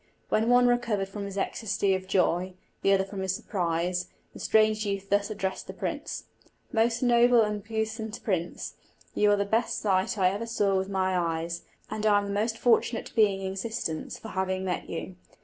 When one recovered from his ecstasy of joy, the other from his surprise, the strange youth thus addressed the prince: "Most noble and puissant prince, you are the best sight I ever saw with my eyes, and I am the most fortunate being in existence for having met you!